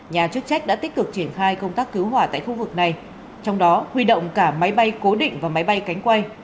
nhà chức trách đã tích cực triển khai công tác cứu hỏa tại khu vực này trong đó huy động cả máy bay cố định và máy bay cánh quay